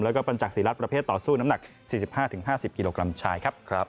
และก็ปัญจักษ์ศีลักษณ์ประเภทต่อสู้น้ำหนัก๔๕๕๐กิโลกรัมชาย